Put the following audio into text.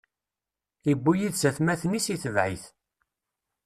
Iwwi yid-s atmaten-is, itebɛ-it;